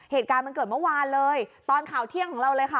เหตุการณ์มันเกิดเมื่อวานเลยตอนข่าวเที่ยงของเราเลยค่ะ